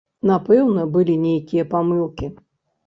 Напэўна, былі нейкія памылкі.